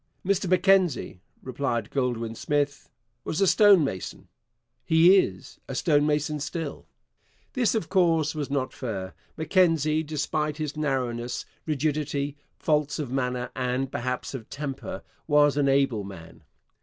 'Mr Mackenzie,' replied Goldwin Smith, 'was a stonemason; he is a stonemason still.' This, of course, was not fair. Mackenzie, despite his narrowness, rigidity, faults of manner, and perhaps of temper, was an able man.